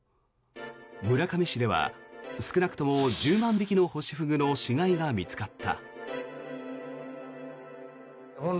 村上市では少なくとも１０万匹のホシフグの死骸が見つかった。